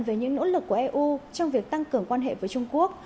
về những nỗ lực của eu trong việc tăng cường quan hệ với trung quốc